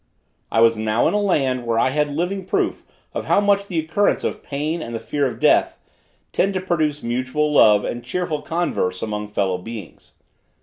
I was now in a land, where I had a living proof of how much the occurrence of pain and the fear of death tend to produce mutual love and cheerful converse among fellow beings.